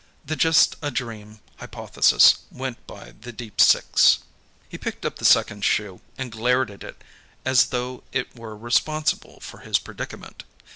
The just a dream hypothesis went by the deep six. He picked up the second shoe and glared at it as though it were responsible for his predicament.